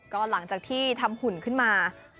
ก็หลังจากที่ทำหุ่นขึ้นมา